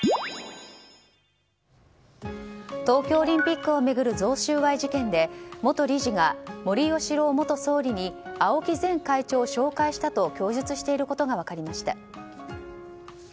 東京オリンピックを巡る贈収賄事件で元理事が森喜朗元総理にＡＯＫＩ前会長を紹介したと供述していることが分かりました。